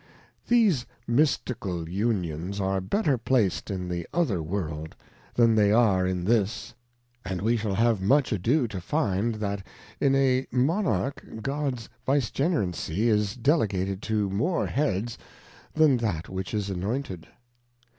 These Mystical Unions are better plac'd in the other World, than they are in this, and we shall have much ado to find, that in a Monarchy Gods Vicegerency is delegated to more Heads than that which is anointed.